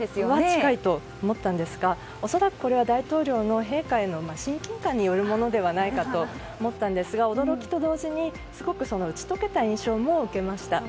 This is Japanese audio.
近いと思ったんですが恐らく、これは大統領の親近感によるものではないかと思ったんですが、驚きと同時にすごく打ち解けた印象も受けました。